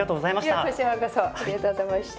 いやこちらこそありがとうございました。